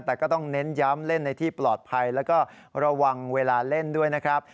แต่ก็ต้องเน้นย้ำเล่นในที่ปลอดภัยแล้วก็ระวังเวลาเล่นด้วยนะครับ